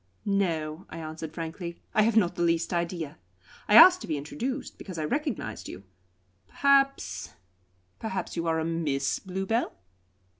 "No," I answered frankly. "I have not the least idea. I asked to be introduced because I recognised you. Perhaps perhaps you are a Miss Bluebell?"